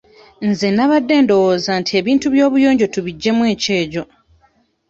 Nze nnabadde ndowooza nti ebintu by'obuyonjo tubiggyemu ekyejo.